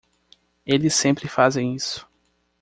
Eles sempre fazem isso.